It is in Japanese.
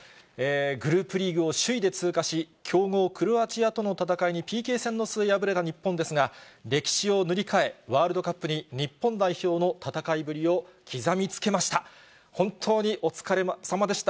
グループリーグを首位で通過し、強豪クロアチアとの戦いにＰＫ戦の末、敗れた日本ですが、歴史を塗り替え、ワールドカップに日本代表の戦いぶりを刻みつけました。